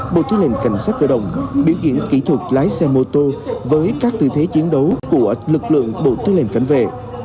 bộ thứ lệnh cảnh sát cơ đồng biểu diễn kỹ thuật lái xe mô tô với các tư thế chiến đấu của lực lượng bộ thứ lệnh cảnh vệ